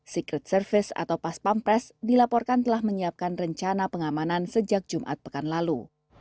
secret service atau pas pampres dilaporkan telah menyiapkan rencana pengamanan sejak jumat pekan lalu